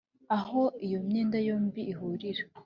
Aho iyo myenda yombi ihurira